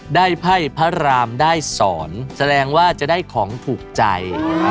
ไพ่พระรามได้สอนแสดงว่าจะได้ของถูกใจ